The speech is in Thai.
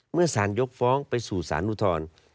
เมื่อสารยกฟ้องไปสู่สารอุทธร